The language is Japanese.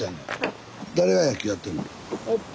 誰が野球やってんの？